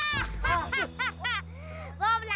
iya cepetan lempari bomnya